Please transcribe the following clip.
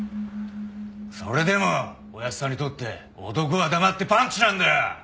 それでもおやっさんにとって男は黙ってパンチなんだよ！